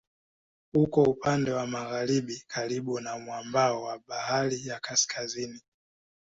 Uko upande wa magharibi karibu na mwambao wa Bahari ya Kaskazini.